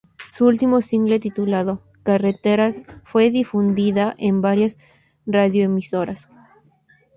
Su último single titulado "Carreteras", fue difundida en varias radioemisoras.